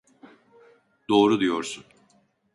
Doğru diyorsun.